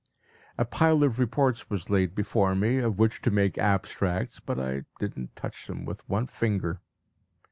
A pile of reports was laid before me, of which to make abstracts, but I did not touch them with one finger.